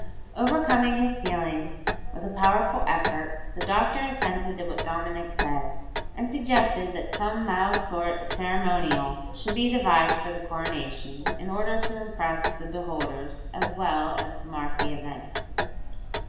Overcoming his feelings with a powerful effort the doctor assented to what Dominick said, and suggested that some mild sort of ceremonial should be devised for the coronation, in order to impress the beholders as well as to mark the event.